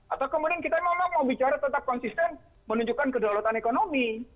atau kemudian kita memang mau bicara tetap konsisten menunjukkan kedaulatan ekonomi